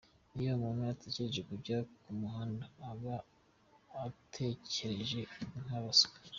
Iyo umuntu atekereje kujya ku muhanda aba atekereje nk’abaswa.